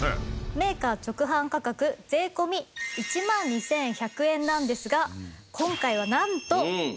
メーカー直販価格税込１万２１００円なんですが今回はなんと。